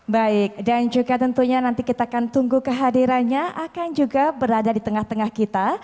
baik dan juga tentunya nanti kita akan tunggu kehadirannya akan juga berada di tengah tengah kita